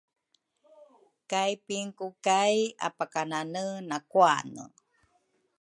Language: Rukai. kay pingkuo kay apakanane nakuane.